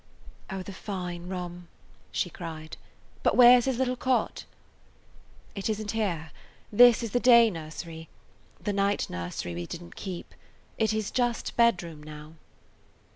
"Oh, the fine room!" she cried. "But where 's his little cot?" "It is n't here. This is the day nursery. The night nursery we didn't keep. It is just bedroom now."